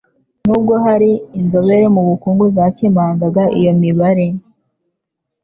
nubwo hari inzobere mu bukungu zakemangaga iyo mibare.